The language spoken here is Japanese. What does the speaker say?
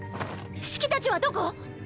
シキたちはどこ？